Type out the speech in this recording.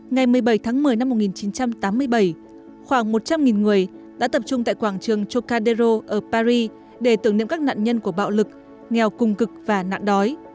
ngày một mươi bảy tháng một mươi năm một nghìn chín trăm tám mươi bảy khoảng một trăm linh người đã tập trung tại quảng trường chocadero ở paris để tưởng niệm các nạn nhân của bạo lực nghèo cung cực và nạn đói